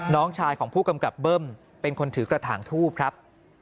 น้องชายของผู้กำกับเบิ้มเป็นคนถือกระถางทูบครับ